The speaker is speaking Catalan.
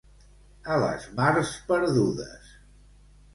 A les mars perdudes.